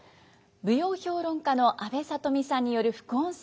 舞踊評論家の阿部さとみさんによる副音声解説もあります。